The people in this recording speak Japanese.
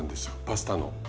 パスタの。